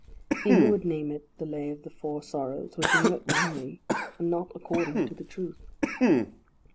He who would name it the Lay of the Four Sorrows would name it wrongly, and not according to the truth."